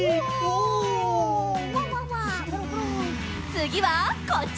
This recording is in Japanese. つぎはこっち！